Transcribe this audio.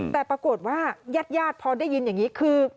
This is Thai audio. แต่ปรากฏว่าญาติพอได้ยินอย่างนี้คือ